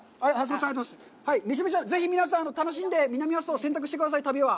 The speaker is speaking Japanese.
ぜひ皆さん、楽しんで、南阿蘇を選択してください、旅は。